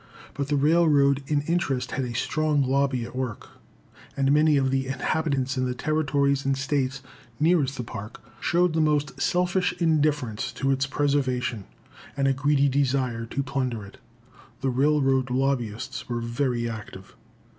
But the railroad in interest had a strong lobby at work, and many of the inhabitants in the territories and States nearest the Park showed the most selfish indifference to its preservation, and a greedy desire to plunder it. The railroad lobbyists were very active.